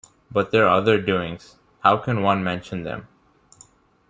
But their other doings, how can one mention them?